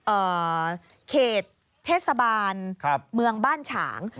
เอ่อเขตเทศบาลครับเมืองบ้านฉาง